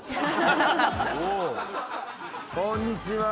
こんにちは